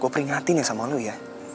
gue peringatin ya sama lo ya